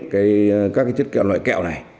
các chất kẹo loại kẹo này